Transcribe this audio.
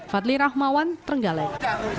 fadli rahmawan trenggalek